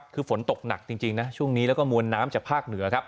คือฝนตกหนักจริงนะช่วงนี้แล้วก็มวลน้ำจากภาคเหนือครับ